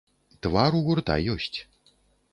Твар у гурта ёсць.